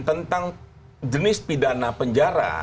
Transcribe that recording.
tentang jenis pidana penjara